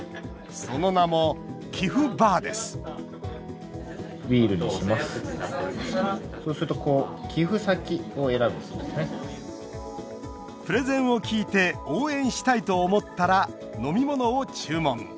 その名も、キフバーですプレゼンを聞いて応援したいと思ったら飲み物を注文。